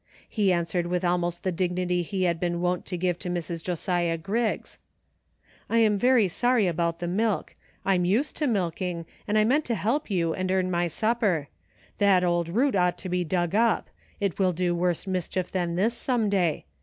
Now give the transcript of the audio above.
He answered with almost the dignity he had been wont to give to Mrs. Josiah Griggs :" I'm very sorry about the milk ; I'm used to milking, and I meant to help you and earn my supper. That old root ought to be dug up ; it will do worse mischief than this, some day.